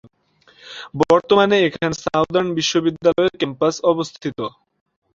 বর্তমানে এখানে সাউদার্ন বিশ্ববিদ্যালয়ের ক্যাম্পাস অবস্থিত।